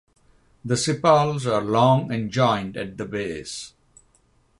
The sepals are long and joined at the base.